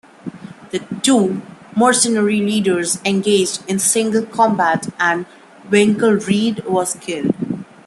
The two mercenary leaders engaged in single combat, and Winkelried was killed.